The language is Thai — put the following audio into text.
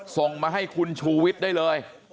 ส่งมาให้คุณชูวิทย์ได้เลย